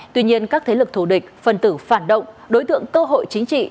tuy nhiên các thế lực thù địch phần tử phản động đối tượng cơ hội chính trị